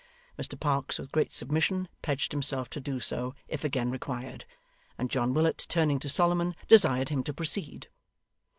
Mr Parkes with great submission pledged himself to do so, if again required, and John Willet turning to Solomon desired him to proceed.